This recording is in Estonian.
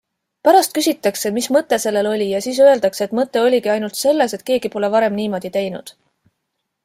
Pärast küsitakse, mis mõte sellel oli, ja siis öeldakse, et mõte oligi ainult selles, et keegi pole varem niimoodi teinud.